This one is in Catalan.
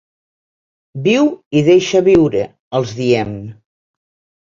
Viu i deixa viure, els diem.